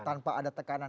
tanpa ada tekanan